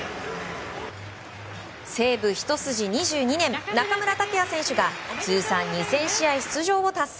西武ひと筋２２年中村剛也選手が通算２０００試合出場を達成。